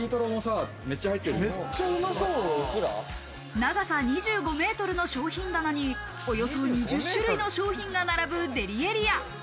長さ２５ｍの商品棚におよそ２０種類の商品が並ぶデリエリア。